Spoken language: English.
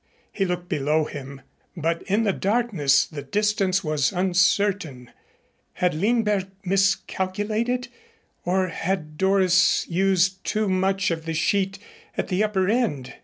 He looked below him, but in the darkness the distance was uncertain. Had Lindberg miscalculated? Or had Doris used too much of the sheet at the upper end?